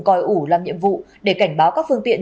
còi ủ làm nhiệm vụ để cảnh báo các phương tiện